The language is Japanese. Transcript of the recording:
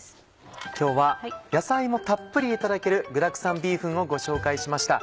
今日は野菜もたっぷりいただける「具だくさんビーフン」をご紹介しました。